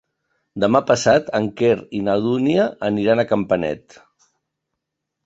Demà passat en Quer i na Dúnia aniran a Campanet.